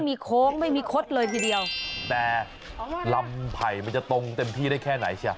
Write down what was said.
มีโค้งไม่มีคดเลยทีเดียวแต่ลำไผ่มันจะตรงเต็มที่ได้แค่ไหนเชีย